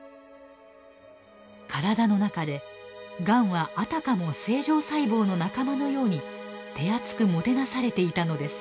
体の中でがんはあたかも正常細胞の仲間のように手厚くもてなされていたのです。